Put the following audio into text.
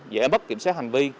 dễ bất kiểm soát hành vi